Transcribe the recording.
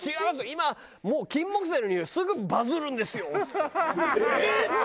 今もうキンモクセイのにおいすぐバズるんですよ」っつって。